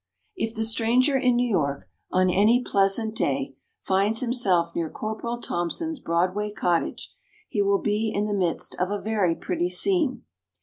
If the stranger in New York, on any pleasant day, finds himself near Corporal Thompson's Broadway Cottage he will be in the midst of a very pretty scene.